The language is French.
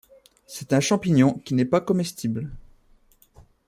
C'est un champignon qui n’est pas comestible.